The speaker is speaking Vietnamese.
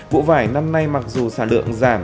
vụ vải năm nay mặc dù sản lượng giảm